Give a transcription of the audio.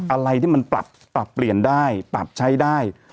อะไรที่มันปรับเปลี่ยนได้ปรับใช้ได้